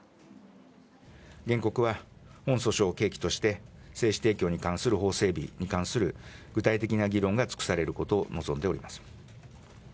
原告は、本訴訟を契機として精子提供に関する、法整備に関する具体的な議論が尽くされることを望んでおります。